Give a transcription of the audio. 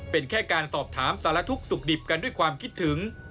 เป็นแค่การสอบถามสารทุกข์สุขดิบกันด้วยความคิดถึง